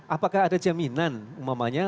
apakah ada jaminan umumnya